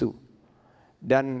putih itu adalah susu